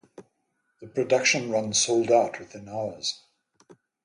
The production run sold out within hours.